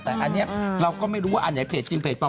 แต่เราก็ไม่รู้ว่าอันไหนแนะนำจริงภูมิฟิปลอม